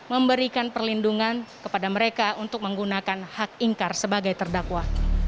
memberikan perlindungan kepada mereka untuk menggunakan hak ingkar sebagai terdakwa